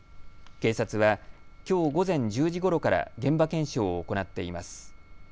警察は、きょう午前１０時ごろから現場検証を行っています。